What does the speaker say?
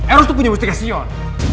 eros itu punya mustikasion